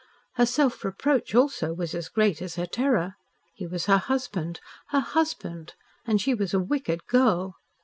Her self reproach also was as great as her terror. He was her husband her husband and she was a wicked girl.